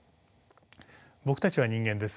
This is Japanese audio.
僕たちは人間です。